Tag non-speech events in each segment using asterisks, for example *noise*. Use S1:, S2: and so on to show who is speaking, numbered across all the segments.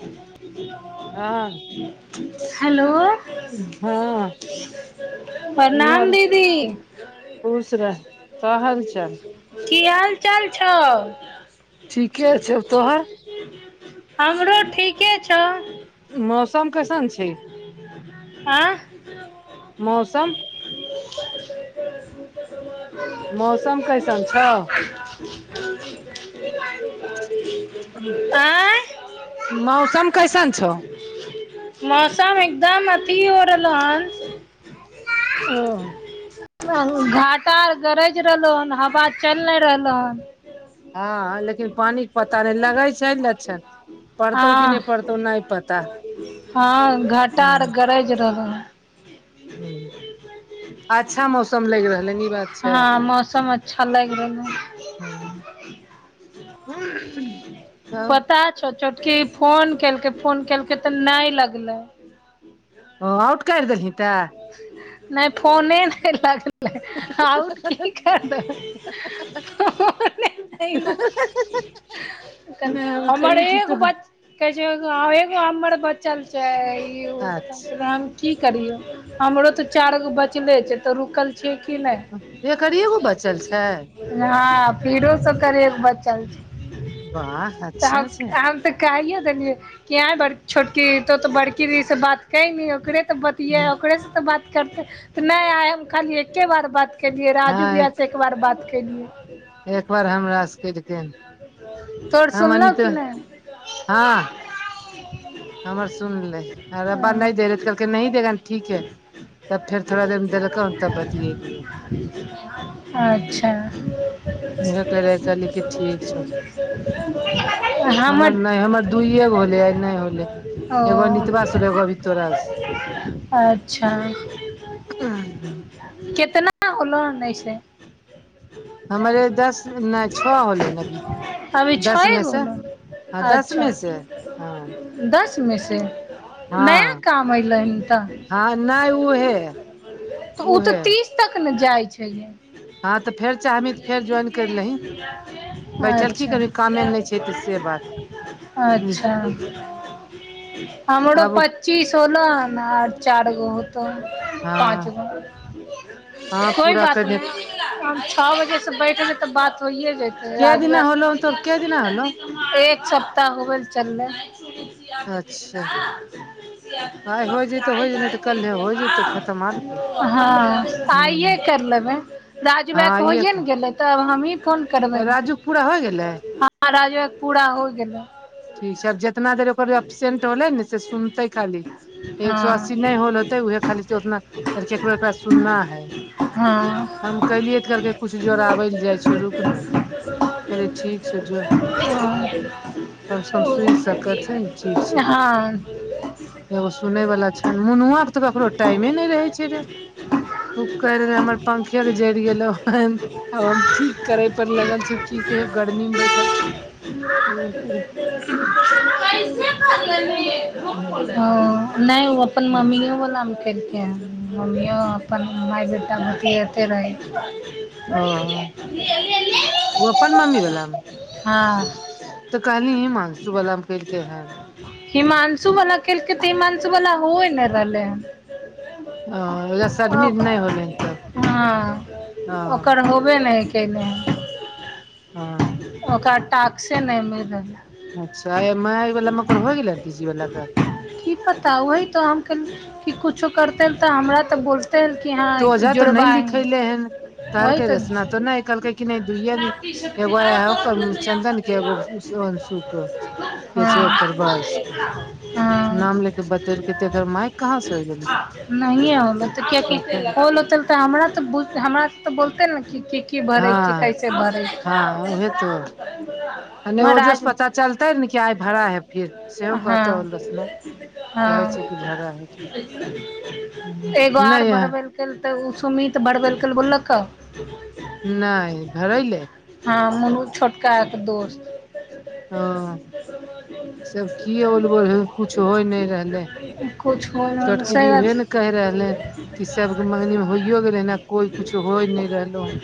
S1: मार दिया *unintelligible*
S2: हँ।
S1: हेलो!
S2: ह। की
S1: प्रणाम
S2: हाल,
S1: दीदी
S2: खुश रह, का हाल- चाल।
S1: की हाल चाल छौउ?
S2: ठीके छैय, तोहर?
S1: हमरो ठीके छौ।
S2: मौसम कैसन छै
S1: आय।
S2: मौसम।
S1: *inaudible*
S2: मौसम कैसन छौ?
S1: ह। आँय
S2: मौसम कैसन छौ?
S1: मौसम एकदम अथी हो रहलौ हन।
S2: ओ
S1: *unintelligible* घाटा गरज रहलो हन, हवा चलि नहि रहलो हन
S2: हँ, लेकिन पानिक के पता नहि लगैत छै लचछण।
S1: हँ- हँ, घाटा आर गरज रहल हन।
S2: ह अच्छा मौसम लग रहल हन, ई बात छै।
S1: हँ मौसम अच्छा ल
S2: ह त हेलो!
S1: चोछकी फोन केलकै, फोन केलकै तऽ नहि लगलै।
S2: ओ औट काईट देली तै। *unintelligible*
S1: नहि फोने नहि लगल आउट की कर द
S2: नहि हम
S1: हमर
S2: कहियै कि
S1: एगो
S2: तोहर
S1: बचा कहै छै एगो हमर बचल छै हम की करियौ हमरो तऽ चारि गो बचले छै तऽ रुकल छिय कि नहि।
S2: अच्छा एकरिएगो बचल छै
S1: हँ पिरो सब कर एक बचल छै
S2: वाह अच्छा छै
S1: तऽ हम तऽ कहियो देलियै कि आई बड़ छोटकी तऽ तो बड़की दीदी से बात कैनि ओकरे तऽ ब किया
S2: हम्म,
S1: ओकरेसँ तऽ बात करतै तऽ नहि आइ हम खाली एके बार बात केलियै राजू भैया से एक बार बात केलियै
S2: एकबार हमरास सकेजे केजकिन
S1: तऽ
S2: हँ मन नितो हँ हमर सुनलेैय ओकरा बाद नहि दे रहै तऽ कहलकै नही देगा ठीक ह तब फेर थोड़ा देर मे देलक तब बतिय लिय
S1: अच्छा।
S2: उहे कहलिया कहिली कि ठीक छौ हमर नहि हमर दुइए गो होलेया नहि होलै एगो
S1: ओ
S2: अनितवास होलै एगो अभि तोरा सँ
S1: अच्छा केतना होलो ओनै सँ।
S2: हमरे दस नहि छओ होलै हन अभी
S1: अभी
S2: दस
S1: छए
S2: मे
S1: गो
S2: से
S1: होलो।
S2: हँ दस
S1: अच्छा
S2: मे से हँ
S1: दसमे से नया
S2: हँ
S1: काम एलैन तऽ
S2: हँ नहि उहे
S1: उ तऽ
S2: उहे
S1: तीन थी तक ने जाइ छैैहिए।
S2: हँ तऽ फेर चाहबही तऽ फेर ज्वाइन करि लही बैठल की
S1: अच्छा।
S2: करबही कामे नहि छै तऽ से बात
S1: अच्छा। हमरो
S2: आब
S1: पच्चीस होलोहन आर चारगो हो तो पाँच
S2: हँ
S1: गो
S2: हँ
S1: कोइ
S2: पूरा
S1: बात
S2: करने
S1: नहि हम छअ बजेसँ बैठबी तऽ बात होइए जेतै
S2: के दिना
S1: राजब
S2: होलो तोर के दिना होलो
S1: एक सप्ताह होगेल चल्ले।
S2: अच्छा
S1: *unintelligible*
S2: आजे नहि तऽ कलहे हो जयतौ खतम आरकी।
S1: हँ आइए कर लेबै राजु भइया
S2: हँ ये
S1: होइए ने गेलै। तब हमही फोन करबै
S2: राजूके पूरा होइ गेलै
S1: ह राज भैया पूरा होइ गेलै।
S2: ठीक छै आब जेतना देर ओकर एब्सेंट होलै ने से सुनतै खाली। एक सो
S1: हँ
S2: अस्सी नहि होल होतै उहे खाली उतना केकरो एकरा सुनना है।
S1: हँ।
S2: हम कलियै त कहलकै कुछ जोड़ाबै लए जाइ छियो रुक ने कहे ठीक छौ जो। तब सम सुन सकत छै ने ठीक छै
S1: हँ
S2: एगो सुनेय वाला छन मुनुआ के तऽ कखनो टाइमे नहि रहे छै
S1: कैसे
S2: रे। उ कर रेहे हमर पंखे नै जरि गेल होन। आ हम ठीक करें पर लगल छीयो की कहियो गर्मी मे बैठल
S1: ह *unintelligible* ह नहि ओ अपन मम्मीयोवलामे उठेल मम्मिओ अपन माय बेटा बतीआते रहै।
S2: ओ ओ अपन मम्मी वला मे
S1: हँ।
S2: तऽ कहली ही मानसूबलाम कलके हन।
S1: हिमाानंशू वला केलकै तऽ हिमांशु वला होइ ने रहलै ह
S2: ह रसडमिट नइ होलैहन तऽ- ह-
S1: अबे नय केलेहन।
S2: हँ-
S1: ओकरा टाक्से नय मिल रह्ले।
S2: अच्छा अयैमाय वला मकर हो गेलै तीसी वला पर?
S1: तऽ ओहि तऽ हम कल- की कुछो करतै तऽ हमरा तऽ बोल-
S2: तो अजा तो नय लिखैलेहैन।
S1: वही
S2: कहलकै
S1: तऽ
S2: रसना तो नय, कहलकै कि नय दुइये अमी ‌। एगो हंओकर चन्दन के एगो अनशुक। के छै
S1: हँ
S2: ओकर बस।
S1: हँ
S2: नाम लेके बतेलके त एक्कर माइक कहाँ से हो गेलै?
S1: नहिए होलै त किआकि
S2: पता नहि
S1: होल होते तऽ हमरा तऽ, हमरा तऽ बोलतै ने कि की भरै छै
S2: हँ
S1: कैसे भरै छी?
S2: हँ उहे तो आ ने ओजो से पता चलतैऽन क्या भड़ा है फिर। सेहो कहतौ
S1: हँ
S2: रोसना। कहै छै की
S1: हँ
S2: भड़ा है।
S1: एगो आर
S2: नहि
S1: भरबैल्- कलतै उ सुमित बरबेलकै, बोललकौउ?
S2: नय, भरैलय?
S1: हँ। मनुज छोटका के दोस्त
S2: हँ। सब की ओल -बोल हो-कुछ होय नय रहलै।
S1: कुछ होय
S2: छोटकी दी उहेन्- कैह रहलै, कि सबके मंगनी मे होइयो गेलैहन कोई कुछ होय नय रहलोहन।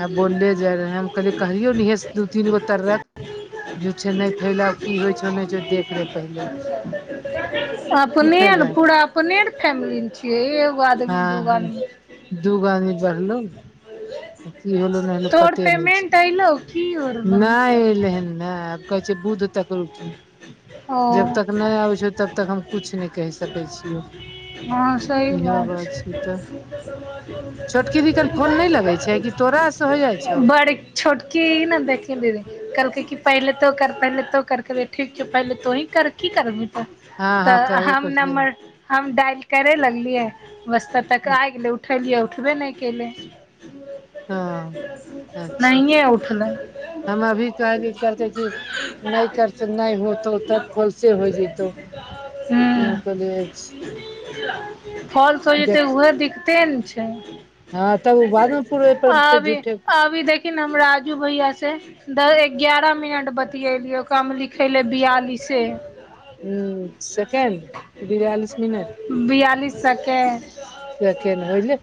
S2: य बोलले जाय रहेै। हम कहले कहियौ ने यै दू तीन गो तर्रक झुठ्ठे नय फैलाउ। की होइ छौ नै छौ देख ले पहिले।
S1: *unintelligible*
S2: की
S1: अपनेनेन
S2: फायदा
S1: पूरा अपनेर फैमिली ने छियै, एगो आदमी, दूगो आदमी
S2: दु आदमी बढ़लौ ने? की होलो नय होलो
S1: तोहर
S2: पते नय छै।
S1: पेमेंट ऐलौ की होर
S2: नय एलहेन नय कैछय बूध तक रूकिहें।
S1: ओ
S2: तक हम किछु नहि कहि सकै छियौ
S1: हँ सही बात छै।
S2: छोटकी दी कन फोन नहि लगै छै कि तोरा से हो जाइ छौ
S1: बड़ड। छोटकी इने देखी दीदी, कलके कि पहिले तो कर पहले तो कर कलिये ठीक छौ पहले तोहिं कर। की करऽबय?
S2: हँ हँ
S1: तऽ
S2: कहबे
S1: हम
S2: कर छै
S1: नम्मर हम डाइल करे लगलियै। बस्त तक आ गेइलै उठैलियै, उठबे ने केलय।
S2: हँ अच्छा
S1: नहियें उठलय।
S2: देखी नय करस नय होतौ तब फालसे हो जेइतो। हँ कलियय *unintelligible* छी।
S1: फाल्स हो जइते
S2: देख
S1: उहो दिक्कते ने छै।
S2: हँ तब ओ बादमे पूरे पर ते
S1: आबीऽ
S2: झूठे
S1: आबी- देख किन हम राजू भैया से। द -एग्यारह मिनट बतियेलियै ओकामे लिखैइले बियालिसे
S2: ह सेकेंड, बिआालिस मिनट।
S1: बियालिस सकेड।
S2: सखे ने होइ ल,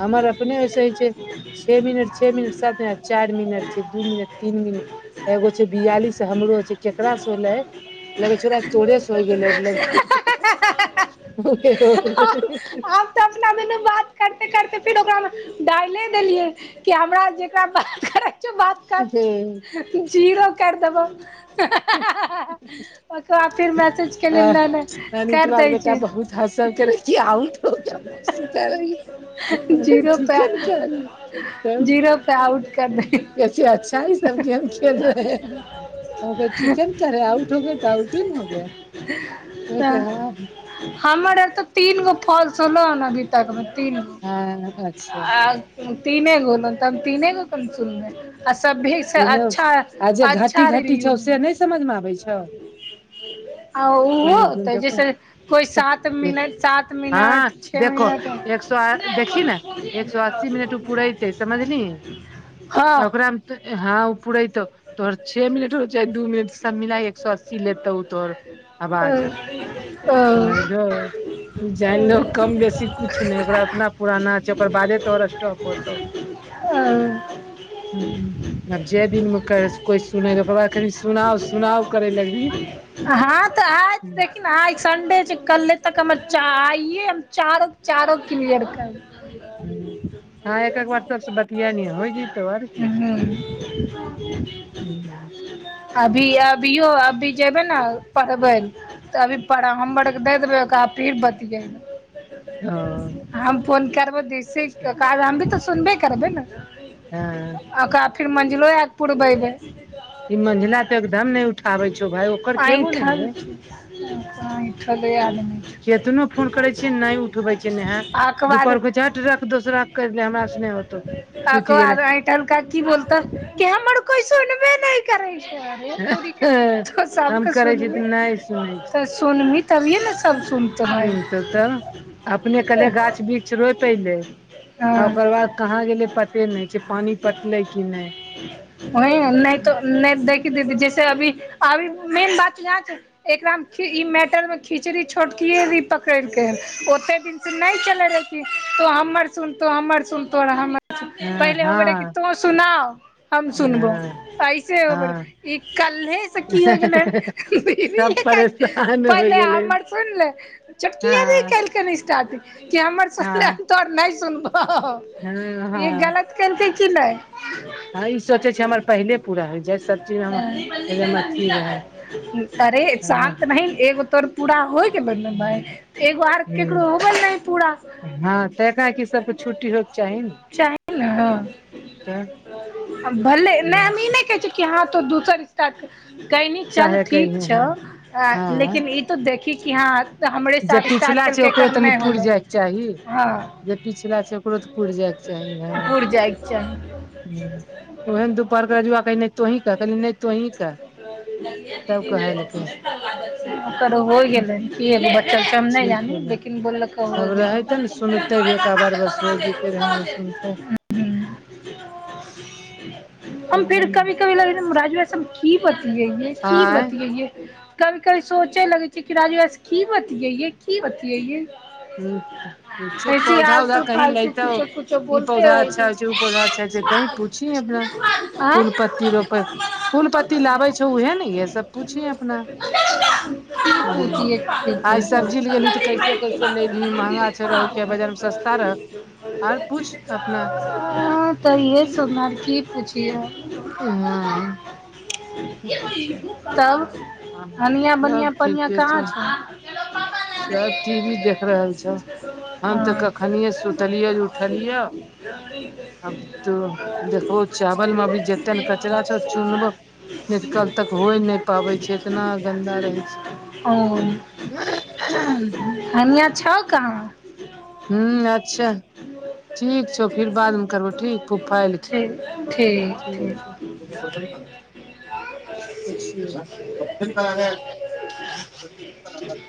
S2: हमर अपने वषय छै। छ मिनट, छ मिनट, सात मिनट, चार मिनट छै, दू मिनट, तीन मिनट। एगो छै बियालिस हमरो छै, केकरास से होलै? लग छेला, तोरे से होइ गेलैर। *unintelligible*
S1: सपना मे बात करते -करते, फिर ओकरामे डालले देलियै। कि हमरा जेकरा बात रखौ बात कर, जीरो करि देबौ।
S2: *inaudible*
S1: ओकराद फिर मैसेजके लेल ल कर
S2: अनितवा के
S1: दै
S2: बेटा
S1: छै।
S2: बहुत हँसल करे कि आउट हो गया मौसी करेंगे हम कहे
S1: जीरो प
S2: ठीके ने करेंगे
S1: जीरो *unintelligible* एकरा आउट कर दही।
S2: प अच्चा! अच्छाी समझब की। ठीके ने करे, आउट हो गे तऽ आउट इन हो गे। अत
S1: तऽ
S2: ह।
S1: हमर आर तऽ, तीन गो फॉल्स होल ने बीत तीन
S2: हँ हँ अच्छा
S1: गो। तीने गो ने तऽ, तीने गो क सुनले, आ सभीसँ
S2: तीनो
S1: अच्छा!
S2: आ जे
S1: अच्छा
S2: घटी- घटी
S1: रिव्यू
S2: छौ, से
S1: मिलतै
S2: नहि समझमे आबै छौ।
S1: आ ओहो
S2: तीनू दिन
S1: होतै, जैसे
S2: देखो
S1: कोइ सात मिनट, सात
S2: हँ
S1: मिनट। के
S2: देखो
S1: म त
S2: एक सौ देखी ने एक सौ अस्सी मिनट उ पुरेते
S1: *unintelligible* हँ।
S2: त हँ ओ परा ई तऽ। तोहर छे मिनट हो चाहे, दू मिनट, सब मिलाये, एक सए अस्सी लेतौ तोहर।
S1: आ।
S2: से मानलिय। जानि लहो कम बेसी कुछ नहि ओकरा, ओतना पुराना छै ओकर बादे तोहर स्टॉप होतौ।
S1: ह़।
S2: ह अ जय दिन मे। कोइ सुने पा बबा कसुनाउ -सुनाउ करै लगल
S1: लेकिन सडे छै कल तक हम आइे चारो -चारो क्लियर कर
S2: ह- हँ एक -एक बार सबसे बतिया लिय, ओइ दिन त और।
S1: करबै
S2: ह।
S1: अभी, अभियो अभी जेबै ने पढ़बै। तऽ अभी पड़ा, हमरके द देबै ओकरा फिर बतियै्
S2: ओ
S1: हम फोन करबै जैसे, हम भी तऽ सुनबे करबै ने।
S2: हँ।
S1: ओकरा फेर मञ्जिलो आके पुरबय के।
S2: ई मंझिला तो एकदम ने उठाबे छौ, भााय ओकर के बोले ने गे।
S1: भ *unintelligible*
S2: केतनो फोन करै छिय नहि उठबै छै, नहा
S1: आके बाद
S2: दुपहर को झठ रख दोसरा कहि दे हमरास नहि होतौ।
S1: अक
S2: सुति गेलै
S1: आ इटल क की बोत कि *unintelligible* हम हमर कोइ सुनबे नहि करै छै
S2: हम
S1: सबके
S2: करै छी
S1: सुनभी
S2: तऽ नहि सुनै
S1: त सुनी तभि ने सब सुन
S2: तो तऽ अपने कनी गाछ वृक्ष रोप लैतै, आ
S1: हँ
S2: ओकर बाद। कहाँ गेलै पते नहि छै, पानि पटले कि नहि?
S1: नहि तो
S2: हँ
S1: नहि देखी दीदी जैसे अभी, अभी मेन बात यहाँ छै। एकरा मे ई मेटर में खिचड़ी छोटकियए रही पकड़ के, ओते दिन नहि चले रहै किछो, तो हमर सुनतो, हमर सुनतो, हमर पहिले होबे रहै कि,
S2: हँ
S1: तू सुनाउ। हम सुनबो,
S2: हँ
S1: ऐसे होबल,
S2: हँ
S1: ई कल्हे से की हो गेलै हन।
S2: सब परेशान होइ
S1: पहिले
S2: गेलै
S1: हमर सुनि ले,
S2: हँ
S1: चकि नहि कल स्टार्ट। कि हमर
S2: हँ
S1: सुनले, तोहर नहि सुनबो
S2: हँ
S1: ई
S2: हँ
S1: गलत करतै की नई?
S2: हँ ई सोचै छै हमर पहिले पूरा होइ जाय सब चीज हमर
S1: नी पली
S2: एकदम अथी रहै
S1: *unintelligible* अरे
S2: हँ
S1: शांत भैल एगो तर पूरा होय गेल, गेल एगो आर
S2: ह
S1: ककरो हो गेल नहि पूरा।
S2: हँ, कियाकी सबके छुट्टी होयके चाही, ने
S1: चाही ने
S2: तऽ
S1: भले नहि हम ई नहि कहे छी, कि हँ तो दोसर स कहनी चल
S2: काहे कयली
S1: ठीक छौ,
S2: हँ हँ
S1: लेकिन ई तऽ देखही कि हँ। तऽ हमरे
S2: जे
S1: साथ स्टार्ट
S2: पिछला छै
S1: केलकै,
S2: ओकरो
S1: एकर
S2: तनि
S1: नहि
S2: पुरि
S1: होलौ
S2: जायके चाही
S1: हँ।
S2: जे पिछला छै ओकरो तऽ पुर जायके चाही ने,
S1: पुर जाइके चाही
S2: हँ। ओहेन दुपहरके रजुआ कही तोहीं कहली, नहि तोहं क
S1: *unintelligible* ओकरो हो गेलै। क ह बच्चा हम नहि
S2: ठीक
S1: जानी,
S2: होलै
S1: लेकिन बोललकौ
S2: अब
S1: गेल।
S2: रहै ते ने सुनते ह
S1: *unintelligible*
S2: स।
S1: हम फिर कभी -कभी लगे राजव की बतियैै, की
S2: आँय
S1: बतियैे। कभी- कभी सोचे लगै छै, कि राजूवास की बतियैे, की बतियैे।
S2: हछ पौधा -उौधा
S1: आलतू
S2: कही लै
S1: फालतू
S2: तऊ,
S1: कुछो कुछो
S2: ई
S1: बोलते
S2: पौधा
S1: रहै
S2: अच्छा!
S1: छै
S2: जो पौधा अच्छा कही पूछ क हमरा फूल पत्ती रोपे, फूल पत्ती लाबै छौ उहे, ने ये सब पुछ अपना, ह,
S1: आँय
S2: आइ सब्जी ल गेली तऽ कैसे -कैसे ले ली महँगा रहु, किया बाजार मे सस्ता रहउ आर पुछ अपना।
S1: ह तऽये सुन की पुछिये।
S2: हँ। सब
S1: तब हनआ, बनिआँ, बढ़आ, कहाँ छै?
S2: सब टी वी देख रहल छौ। हम तऽ
S1: हँ
S2: कखनिए सुतलियै, जे उठलियै।
S1: आ। *unintelligible*
S2: आब तऽ देखबो चावल मे अभी जते ने कचरा छौ चुनबो नहि तऽ कल तक होइ नहि पाबै छै इतना गन्दा रहै छै
S1: *unintelligible* *inaudible* हनिया छौ कहाँ?
S2: हू अच्छा! ठीक छौ, फिर बादमे करबो ठीक! फूफा एलखिन
S1: ठीक
S2: ठीक छै। *unintelligible*
S1: ठीक
S2: *unintelligible*